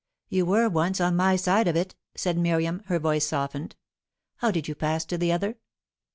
"You were once on my side of it" said Miriam, her voice softened. "How did you pass to the other?"